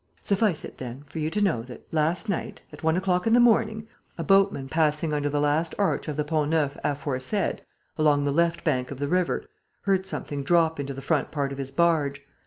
Suffice it, then, for you to know that, last night, at one o'clock in the morning, a boatman passing under the last arch of the Pont Neuf aforesaid, along the left bank of the river, heard something drop into the front part of his barge.